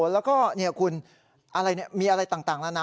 แล้วก็คุณมีอะไรต่างแล้วนะ